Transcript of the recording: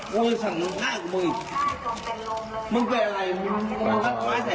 กูจะสั่งหน้ากับมึงอีกมึงเป็นอะไรมึงมึงมึงมึงเป็นอะไร